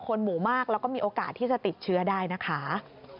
คนหมู่มากแล้วก็มีโอกาสที่จะติดเชื้อได้นะคะ